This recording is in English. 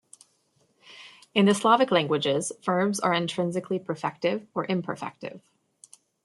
In the Slavic languages, verbs are intrinsically perfective or imperfective.